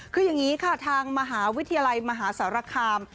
คืออย่างนี้ค่ะทางมหาวิทยาลัยมหาสารคาม